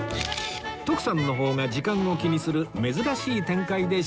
徳さんの方が時間を気にする珍しい展開で終了